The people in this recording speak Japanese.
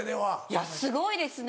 いやすごいですね